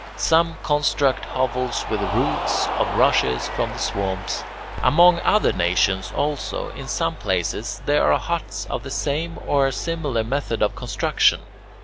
Some construct hovels with roofs of rushes from the swamps. Among other nations, also, in some places there are huts of the same or a similar method of construction.